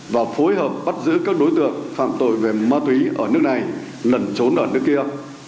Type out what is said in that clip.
và phối hợp bắt giữ các đối tượng phạm tội về ma túy ở nước này lẩn trốn ở nước kia